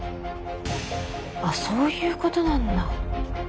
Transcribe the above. あそういうことなんだ。